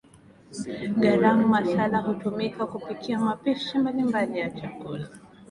Garam Masala hutumika kupikia mapishi mbalimbali ya chakula